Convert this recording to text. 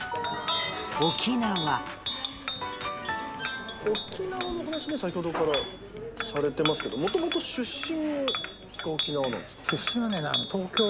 沖縄の話先ほどからされてますけどもともと出身が沖縄なんですか？